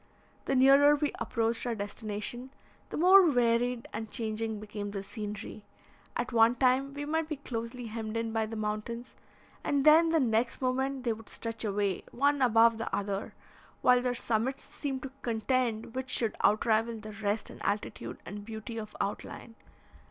The nearer we approached our destination, the more varied and changing became the scenery. At one time we might be closely hemmed in by the mountains, and then the next moment they would stretch away, one above the other, while their summits seemed to contend which should outrival the rest in altitude and beauty of outline.